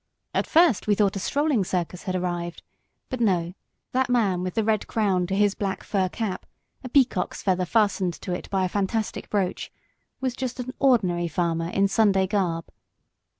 At first we thought a strolling circus had arrived, but no, that man with the red crown to his black fur cap, a peacock's feather fastened to it by a fantastic brooch, was just an ordinary farmer in Sunday garb.